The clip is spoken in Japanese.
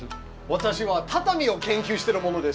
私は畳を研究してる者です。